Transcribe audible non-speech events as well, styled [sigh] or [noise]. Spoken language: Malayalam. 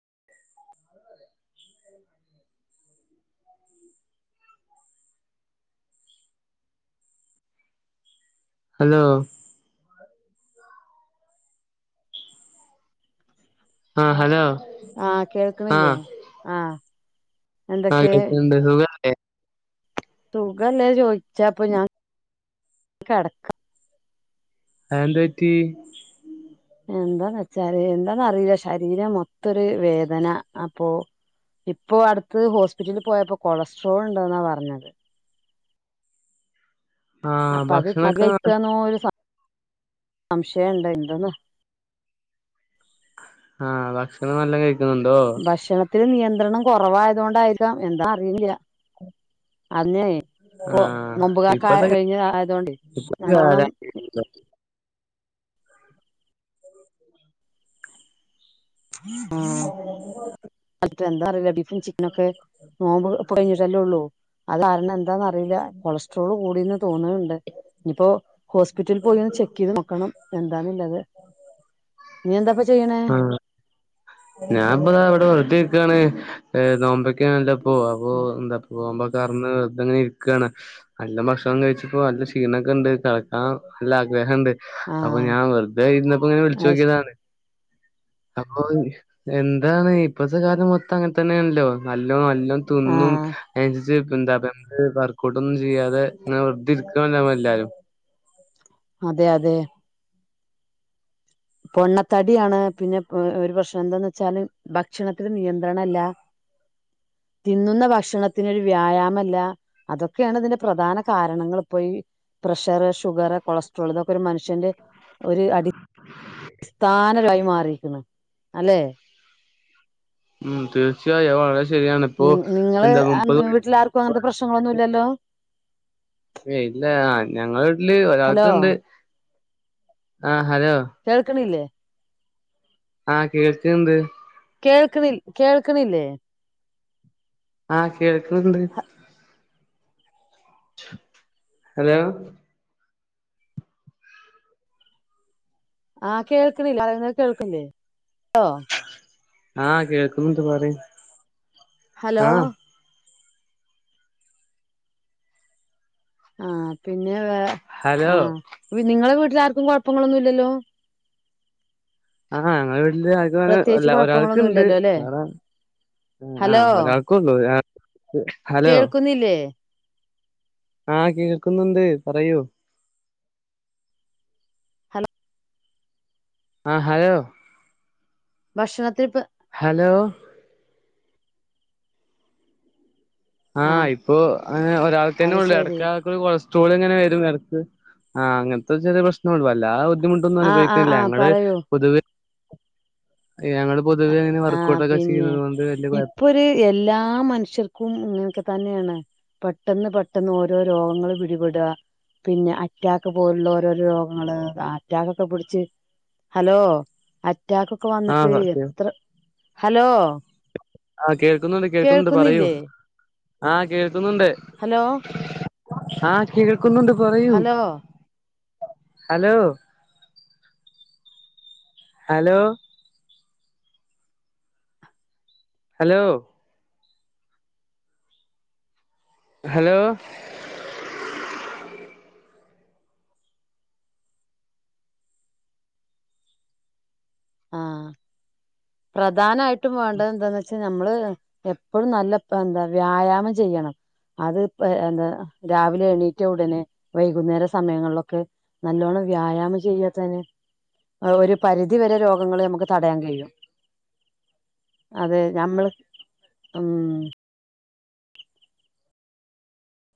[inaudible] [inaudible] ഹലോ ആഹ് ഹലോ ആഹ് കേൾക്കണില്ലേ ആഹ ആെക്കണ്ട് സുഖേ സുകല്ലേ ചോദിച്ചാ അപ്പൊ ഞാൻ കിടക്കാം അന്തായിട്ട എന്താന്ന് വെച്ചാല് എന്താന്നറിയില്ല ശരീരം മൊത്തരു വേദന അപ്പൊ ഇപ്പൊ അടുത്ത് ഹോസ്പിറ്റലിൽ പോയപ്പോൊ കൊളസ്ട്രോൾ ഉണ്ടോെന്നാ പറഞ്ഞത് ആഹ് അപ്പൊ അത് ചതി ഭക്ഷണൊക്കെ കഴിക്കന്ന സംശയുണ്ട എന്തന്ന് ആ ഭക്ഷണം നല്ലാം കഴിക്കുന്നുണ്ടോ ഒത്തിരി നിയന്ത്രണം കുറവായത കൊണ്ടായിരിക്കാം എന്താ അറിയില്ല അന്നേ ഇപ്പൊ ആഹ് നുമമ്പുകാക്കെ ആ ഇപ്പത്തെ കഴിഞ്ഞഞ് ആയതൊണ്ട് നല്ലോണം കാലം ഉ അ അ എന്താ പറയില്ല ബീഫും ചിക്കന ഒക്കെ നോമ്പ് കഴഞ്ഞിട്ടല്ലേ ഉള്ളൂ അത് കാരണം എന്താന്ന്റിയില്ല കൊളസ്ട്രോള് കൂടിന്ന് തോന്നുന്നുണ്ട് ഇനിയിപ്പോൊ ഹോസ്പിറ്റലിൽ പോയിന്ന് ചെക്ക് ചെയ്ത് നോക്കണം എന്താണുള്ളത് നീ എന്താ ജയന ഞാൻ ഇപ്പാ അവിടെ വെറുക്കാണ് നോമ്പക്കണല്ലപ്പോ അപ്പ എന്താ നോമ്പ പറ വെറതെങ്ങനെ ഇരിക്കുകയാണ് നല്ല ഭക്ഷണം കഴിച്ചപ്പോ നല്ല ക്ഷീണമൊക്കെ ഉണ്ട് കിക്കാൻ നല്ല ആഗ്രഹം ഉണ്ട് അപ്പൊ ആഹ് ഞാൻ വെറുതെ ഇരുന്നപ്പോ ഇങ്ങനെ വിളിച്ചു അയ്ശ് നോക്കിയതാണ് അപ്പൊ എന്താണ് ഇപ്പത്തെ കാലം മൊത്തം അങ്ങനെ തന്നെയ ആണല്ലോ നല്ലോ നല്ലോ തിുന്നും ആഹ് എന്ത വർക്കഔട്ട് ഒന്നും ചെയ്യാതെെ വെറതരിക്കണ്ട എല്ലാരും അതെ അതെ പൊണ്ണത്തടിയാണ് പിന്നെ ഒരു പ്രക്ഷം എന്താന്ന് വെച്ചാല് ഭക്ഷണത്തിൽ നിയന്ത്രണല്ല [inaudible] തിന്നുന്ന ഭക്ഷണത്തിനൊരു വ്യായാമല്ല അതൊക്കെയാണ് അതിന്റെ പ്രധാന കാരണങ്ങൾ ഇപ്പോൊ ഈ പ്രഷർ ഷുഗർ കൊളസ്ട്രോൾ ഇതൊക്കെ ഒരു മനുഷ്യന്റെ ഒരു അടി അടിസ്ഥാനരായി മാറിരിക്കുന്നു അല്ലെ ഉം തീർച്ചയായും വള ശരിയണിപ്പോൊ നി നിങ്ങള് എന്താ മുപ്പത് വീട്ടിലാർക്കും അങ്ങനത്തെ പ്രശ്നങ്ങളൊന്നും ഇല്ലല്ലോ ഇല്ല ഞങ്ങ വീട്ടില് ഹലോ ഒരാൾക്കുണ്ട് ആഹ കേൾക്കണല്ലേ ആഹ കേൾക്കന്ത് കേൾക്കണ കേൾക്കണില്ലേ ആഹ് കേൾക്കന്ീ ഹലോ ആ കേൾക്ക്ണില്ലേ പറയുന്നത് കേൾക്ക്ല്ലേ ലോ ആ കേക്ക്ൺണ്ട് പറിയ് ഹലോ ആ പിന്നെ വാ ഹലോ ആ ഇനിനിങ്ങളെ വീ ട്ട്ലാർക്കും കൊഴപ്പങ്ങളൊന്നുല്ലല്ലോ ആഹ ങ്ങളെ വീട്ടില് [unintelligible] കുഴപ്പങ്ങളൊന്നും ഒരാൾക്ക്ണ്ട് ഇല്ലല്ലോ അല്ലെ കാണാ അ ആ ഹലോ ഒരാൾക്കുണ്ട് [unintelligible] ഹലോ കേൾക്കുന്നില്ലേ ആ കേൾക്കുന്നുണ്ട് പറയൂ ഹലോ ആ ഹലോ ഭക്ഷണത്ത്ത്തെ ഹലോ ആ ഇപ്പൊ ആ രാവിൽത്തന്നെ അത് ഉള്ളൂ ശരി അടക്കാക്ക് [unintelligible] ചൂല്ഇങ്ങനെ വരും എടക്ക് ആ അങ്ങൻത്തെ ചെറേപ്രശ്നം ഒള്ളൂ വല്ലാതെ ബുദ്ധിമുട്ടൊന്നും ആ ആ അനുഭവിക്ക്ൺല്ല ആ ഞങ്ങള് പറയൂ പൊതുവെ ഞങ്ങള് പൊതുവെ അങ്ങനെ ആ വർക്കഔട്ടൊക്കെ പിന്നെ ചെയ്യുന്നത് കൊണ്ട് വലിയ കുഴപ്പം ഇപ്പൊര് എല്ലാ മനുഷ്യർക്കും ഇങ്ങൻകെത് തന്നേണ് പെട്ടെന്ന് പെട്ടെന്ന് ഓരോ രോഗങ്ങള് പിടിപെടാ പിന്നെ അറ്റാക്ക് പോലുള്ള ഓരോരോ രോഗങ്ങള് അറ്റാക്കൊക്കെ പിടിച്ച് ഹലോ അറ്റാക്കൊക്കെ ആ വന്നിട്ട് സത്യം ത്ര ഹലോ ആ കേൾക്കുന്നുണ്ട് കേൾക്കുന്നുണ്ട് പറയൂ കേൾക്കുന്നില്ലേ ആ കേക്കുന്നുണ്ട് ഹലോ ആ കേൾ ക്കുന്നുണ്ട് പറയൂ hello hello hello hello hello ആ പ്രധാനായിട്ടും വാണ്ടതെന്തന്ന്ച്ചാ നമ്മള് എപ്പോഴും നല്ലപ്പന്താ വ്യായാമം ചെയ്യണം അത് പ എന്താ രാവിലെ എണീറ്റ ഉടനെ വൈകുന്നേര സമയങ്ങളിലൊക്കെ നല്ലോണ്ണം വ്യായാമം ചെയ്യാത്തെന്നെ ഒരു പരിധിവരെ രോഗ കങ്ങള് നമുക്ക് തടയാൻ കഴിയും അതെ ഞമ്മള് ഉം